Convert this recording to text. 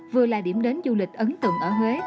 vừa là điểm đến du lịch ấn tượng ở huế